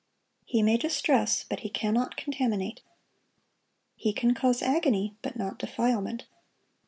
He may distress, but he cannot contaminate. He can cause agony, but not defilement.